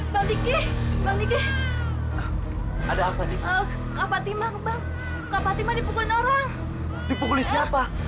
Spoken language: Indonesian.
balik balik ada apa apa timang tipu nolong dipukul siapa